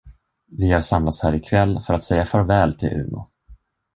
Vi har samlats här ikväll för att säga farväl till Uno.